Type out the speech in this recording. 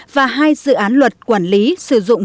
và hai dự án luật quản lý sử dụng